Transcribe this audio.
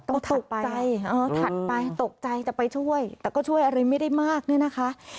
ตกใจถัดไปตกใจจะไปช่วยแต่ก็ช่วยอะไรไม่ได้มากเนี่ยนะคะ